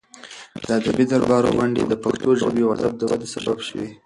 د ادبي دربار غونډې د پښتو ژبې او ادب د ودې سبب شوې.